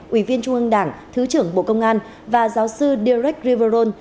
ủy viên trung ương đảng thứ trưởng bộ công an và giáo sư derek riverone